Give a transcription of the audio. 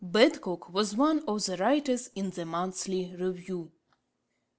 Badcock was one of the writers in the Monthly Review.